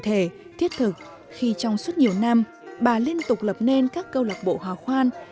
vì thế thiết thực khi trong suốt nhiều năm bà liên tục lập nên các câu lạc bộ hóa khoan